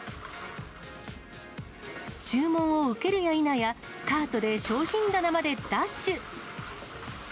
注文を受けるや否や、カートで商品棚までダッシュ。